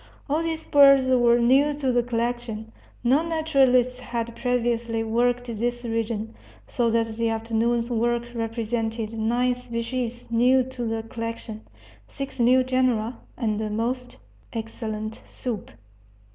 All these birds were new to the collection no naturalists had previously worked this region so that the afternoon's work represented nine species new to the collection, six new genera, and a most excellent soup.